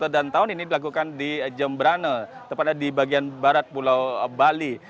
dan tahun ini dilakukan di jemberana tepatnya di bagian barat pulau bali